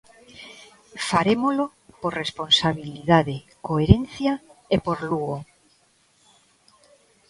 Farémolo por responsabilidade, coherencia e por Lugo.